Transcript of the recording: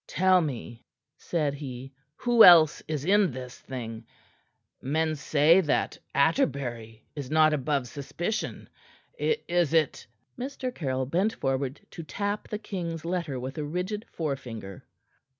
"Tell me," said he. "Who else is in this thing? Men say that Atterbury is not above suspicion. Is it " Mr. Caryll bent forward to tap the king's letter with a rigid forefinger.